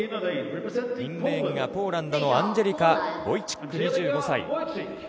インレーンが、ポーランドのアンジェリカ・ボイチック２５歳。